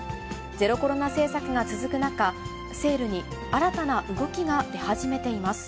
ゼロコロナ政策が続く中、セールに新たな動きが出始めています。